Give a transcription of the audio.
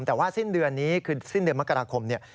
แต่ว่าสิ้นเดือนนี้คือสิ้นเดือนมกราคมเนี่ย